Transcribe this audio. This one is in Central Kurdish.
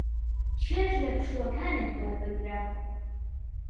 چێژ لە پشووەکانت وەربگرە.